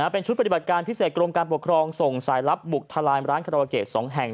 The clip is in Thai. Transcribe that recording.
เป็นชุดปฏิบัติการพิเศษกรมการปกครองส่งสายลับบุกทลายร้านคาราวาเกต๒แห่ง